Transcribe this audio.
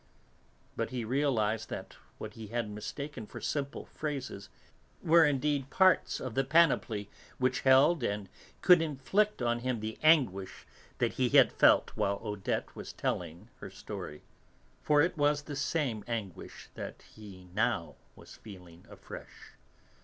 But he realised that what he had mistaken for simple phrases were indeed parts of the panoply which held and could inflict on him the anguish that he had felt while Odette was telling her story. For it was the same anguish that he now was feeling afresh.